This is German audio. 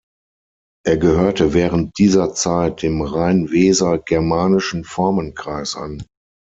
Er gehörte während dieser Zeit dem rhein-weser-germanischen Formenkreis an.